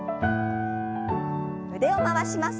腕を回します。